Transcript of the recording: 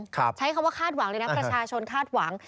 ใช้คำว่าคาดหวังเลยนะประชาชนคาดหวัง